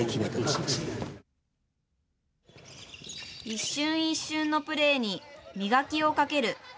一瞬一瞬のプレーに磨きをかける。